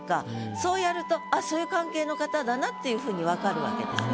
そうやるとあっそういう関係の方だなっていうふうに分かるわけですね。